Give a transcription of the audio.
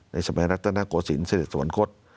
ในสมัยรัฐตนโกสินเศรษฐสวรรค์กฎ